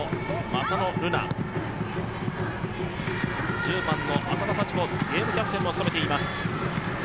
１０番の浅田幸子ゲームキャプテンを務めています。